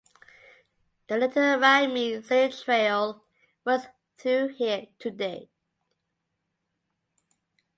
The Little Miami Scenic Trail runs through here today.